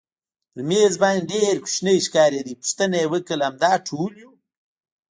پر مېز باندې ډېر کوچنی ښکارېده، پوښتنه یې وکړل همدا ټول یو؟